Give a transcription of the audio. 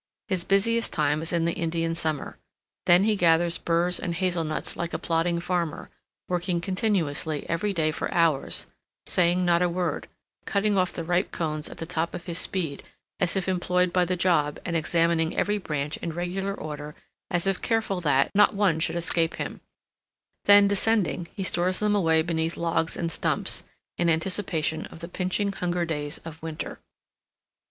His busiest time is in the Indian summer. Then he gathers burs and hazel nuts like a plodding farmer, working continuously every day for hours; saying not a word; cutting off the ripe cones at the top of his speed, as if employed by the job, and examining every branch in regular order, as if careful that not one should escape him; then, descending, he stores them away beneath logs and stumps, in anticipation of the pinching hunger days of winter.